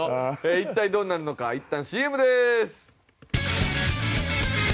一体どうなるのかいったんＣＭです。